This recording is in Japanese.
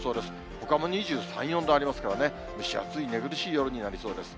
ほかも２３、４度ありますからね、蒸し暑い、寝苦しい夜になりそうです。